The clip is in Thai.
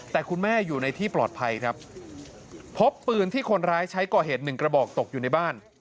แต่คุณแม่อยู่ในที่ปลอดภัยครับพบปืนที่คนร้ายใช้ก่อเหตุหนึ่งกระบอกตกอยู่ในบ้าน